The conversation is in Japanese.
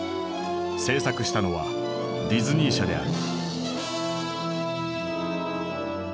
制作したのはディズニー社である。